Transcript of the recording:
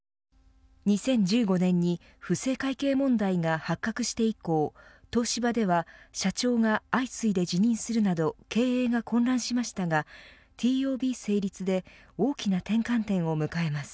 ２０１５年に不正会計問題が発覚して以降東芝では、社長が相次いで辞任するなど経営が混乱しましたがＴＯＢ成立で大きな転換点を迎えます。